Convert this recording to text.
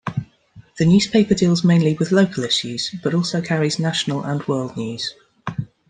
The newspaper deals mainly with local issues, but also carries national and world news.